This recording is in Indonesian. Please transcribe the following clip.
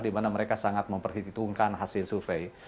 dimana mereka sangat memperhitungkan hasil survei